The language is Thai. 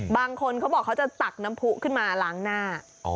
บางคนเขาบอกเขาจะตักน้ำผู้ขึ้นมาล้างหน้า